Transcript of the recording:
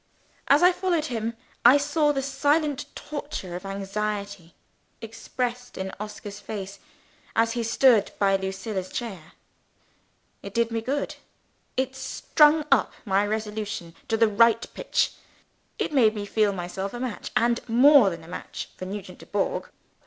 As I followed him, I saw the silent torture of anxiety expressed in Oscar's face as he stood by Lucilla's chair. It did me good; it strung up my resolution to the right pitch; it made me feel myself a match, and more than a match, for Nugent Dubourg.